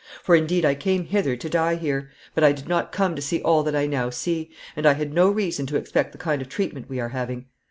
For, indeed, I came hither to die here, but I did not come to see all that I now see, and I had no reason to expect the kind of treatment we are having.